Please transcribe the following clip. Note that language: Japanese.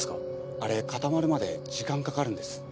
あれ固まるまで時間かかるんです。